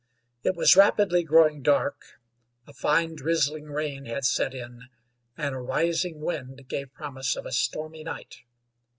It was rapidly growing dark; a fine, drizzling rain had set in, and a rising wind gave promise of a stormy night.